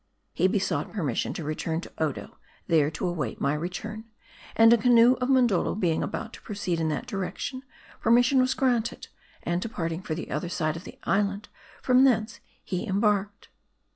He besought permission to return to Odo, there to await my return ; and a canoe of Mondoldo being about to proceed in that direction, permission was granted ; and departing for the other side of the island, from thence he embarked.